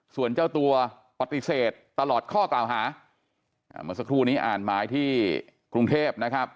ส่วนเจ้าตัวปฏิเสธตลอดข้อกล่าวหาเมื่อสักครู่นี้อ่านหมายที่กรุงเทพนะครับ